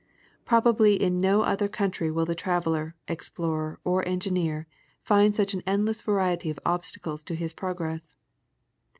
Prob ably in no other country will the traveler, explorer, or engineer, find such an endless variety of obstacles to his progress.